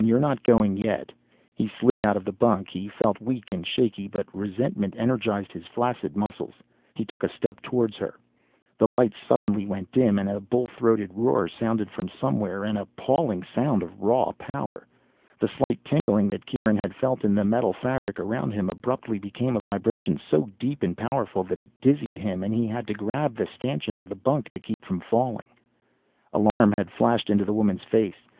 "You're not going yet." He slid out of the bunk. He felt weak and shaky but resentment energized his flaccid muscles. He took a step toward her. The lights suddenly went dim, and a bull throated roar sounded from somewhere, an appalling sound of raw power. The slight tingling that Kieran had felt in the metal fabric around him abruptly became a vibration so deep and powerful that it dizzied him and he had to grab the stanchion of the bunk to keep from falling. Alarm had flashed into the woman's face.